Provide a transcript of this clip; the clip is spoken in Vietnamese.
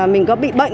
mình có bị bệnh